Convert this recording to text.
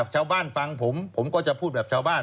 ชาวบ้านฟังผมผมก็จะพูดแบบชาวบ้าน